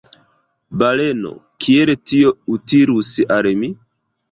Baleno: "Kiel tio utilus al mi?"